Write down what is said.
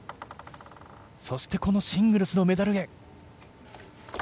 そしてこのシングルスのメダルへ。